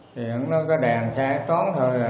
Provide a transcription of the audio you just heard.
thì hắn nói cái đèn xe trốn thôi